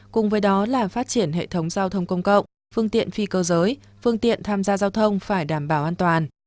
cùng với đó là phát triển hệ thống giao thông công cộng phương tiện phi cơ giới phương tiện tham gia giao thông phải đảm bảo an toàn